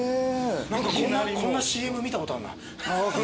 何かこんなＣＭ見たことあんな。